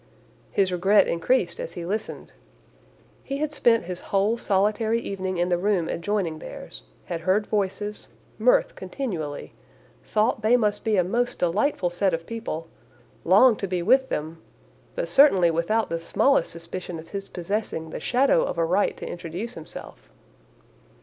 His regret increased as he listened. He had spent his whole solitary evening in the room adjoining theirs; had heard voices, mirth continually; thought they must be a most delightful set of people, longed to be with them, but certainly without the smallest suspicion of his possessing the shadow of a right to introduce himself.